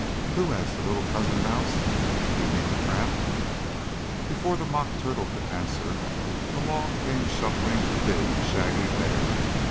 "Who?" asked the little cousin mouse. "Do you mean the tramp?" Before the Mock Turtle could answer along came shuffling a big, shaggy bear.